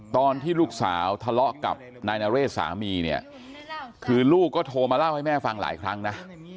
ตอนที่ลูกสาวทะเลาะกับนายนเรศสามีเนี่ยคือลูกก็โทรมาเล่าให้แม่ฟังหลายครั้งนะ